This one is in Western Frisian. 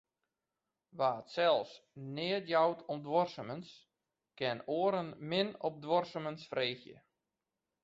Wa't sels net jout om duorsumens, kin oaren min op duorsumens fergje.